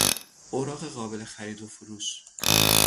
اوراق قابل خرید و فروش